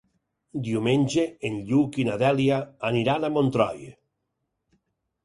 Diumenge en Lluc i na Dèlia aniran a Montroi.